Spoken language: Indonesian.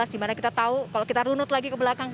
dimana kita tahu kalau kita runut lagi ke belakang